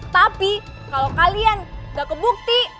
tapi kalau kalian gak kebukti